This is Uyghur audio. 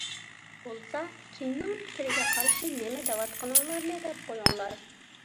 بولسا كىمنىڭ پىكرىگە قارشى نېمە دەۋاتقىنىڭلارنى دەپ قويۇڭلار.